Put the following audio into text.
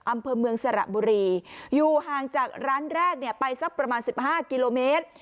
อำเภอเมืองสระบุรีอยู่ห่างจากร้านแรกเนี่ยไปสักประมาณ๑๕กิโลเมตร